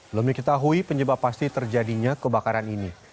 belum diketahui penyebab pasti terjadinya kebakaran ini